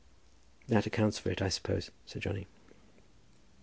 "That accounts for it, I suppose," said Johnny.